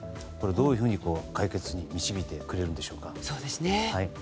どういうふうに解決に導いてくれるのでしょうか。